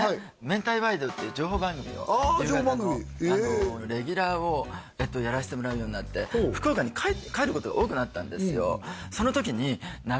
「めんたいワイド」っていう情報番組を夕方のレギュラーをやらせてもらうようになって福岡に帰ることが多くなったんですよ